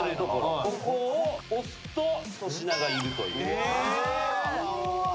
ここを押すと粗品がいるという。